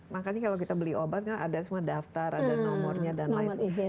makanya kalau kita beli obat kan ada semua daftar ada nomornya dan lain sebagainya